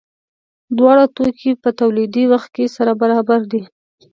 دواړه توکي په تولیدي وخت کې سره برابر دي.